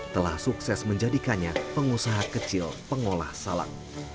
telah sukses menjadikannya pengusaha kecil pengolah salak